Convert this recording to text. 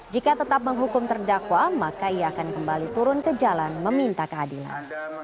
jika tetap menghukum terdakwa maka ia akan kembali turun ke jalan meminta keadilan